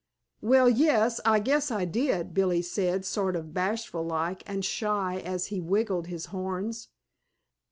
"Well, yes, I guess I did," Billie said, sort of bashful like and shy as he wiggled his horns.